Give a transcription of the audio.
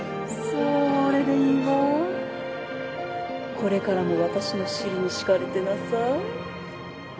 これからも私の尻に敷かれてなさい。